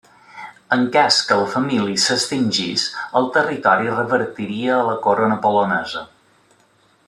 En cas que la família s'extingís, el territori revertiria a la Corona polonesa.